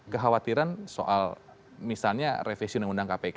kekhawatiran soal misalnya revisi undang undang kpk